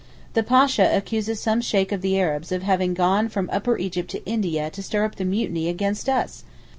The Pasha accuses some Sheykh of the Arabs of having gone from Upper Egypt to India to stir up the Mutiny against us!